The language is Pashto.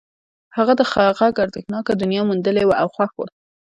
هغه د غږ ارزښتناکه دنيا موندلې وه او خوښ و.